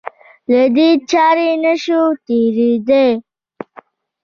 له دې چارې نه شو تېرېدای.